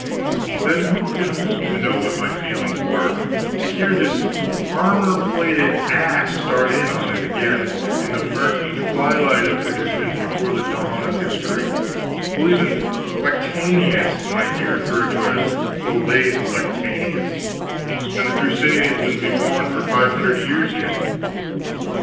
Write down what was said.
Then who can hope to know what my feelings were, to hear this armor plated ass start in on it again, in the murky twilight of tradition, before the dawn of history, while even Lactantius might be referred to as "the late Lactantius," and the Crusades wouldn't be born for five hundred years yet?